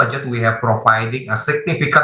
kami menyediakan jumlah yang signifikan